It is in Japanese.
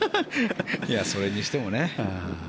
それにしてもね。